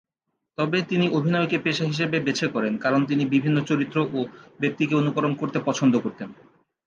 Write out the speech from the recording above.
তবে তিনি অভিনয়কে পেশা হিসেবে বেছে করেন, কারণ তিনি বিভিন্ন চরিত্র ও ব্যক্তিকে অনুকরণ করতে পছন্দ করতেন।